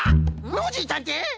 ノージーたんてい！